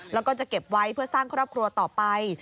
แล้วก็จะเก็บไว้เพื่อสร้างครอบครัวต่อไป